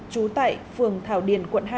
trú tại phường thảo điền quận hai